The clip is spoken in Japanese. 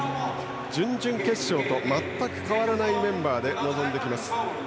準々決勝と全く変わらないメンバーで臨んできます。